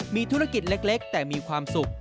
มีธุรกิจเล็กแต่มีความสุข